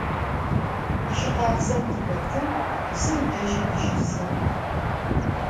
Jı khabzem tıxetın, psım deji tışısın.